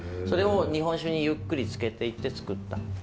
それを日本酒にゆっくり漬けていって作った。